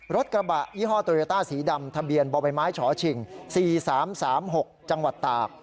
รถกระบะยี่ห้อตอเลียต้าสีดำทะเบียนบ่อยไม้ฉอชิงสี่สามสามหกจังหวัดตาก